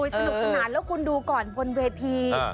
สนุกสนานแล้วคุณดูก่อนบนเวที